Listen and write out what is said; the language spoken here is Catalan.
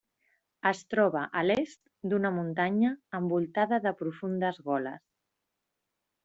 Es troba a l'est d'una muntanya envoltada de profundes goles.